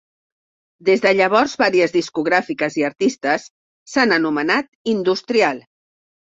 Des de llavors, varies discogràfiques i artistes s'han anomenat "industrial".